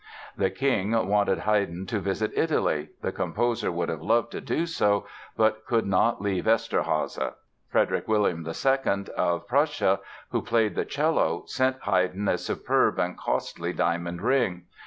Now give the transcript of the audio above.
The king wanted Haydn to visit Italy; the composer would have loved to do so, but could not leave Eszterháza. Frederick William II, of Prussia, who played the cello, sent Haydn a superb and costly diamond ring.